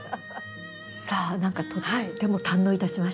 さあ何かとっても堪能いたしました。